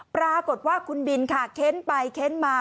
ปรากฏว่าคุณบินค่ะเค้นไปเค้นมา